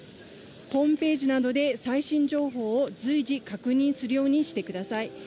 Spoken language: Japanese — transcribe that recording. ホームページなどで最新情報を随時確認するようにしてください。